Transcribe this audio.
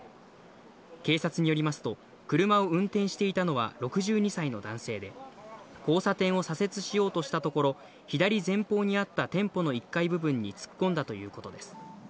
警察によりますと、車を運転していたのは６２歳の男性で、交差点を左折しようとしたところ、左前方にあった店舗の１階部分に突っ込んだということです。